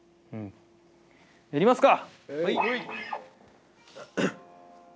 やりますか！